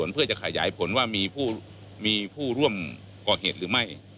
ผลว่ามีผู้ร่วมกล่องเหตุหรือไม่